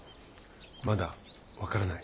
まだ分からない。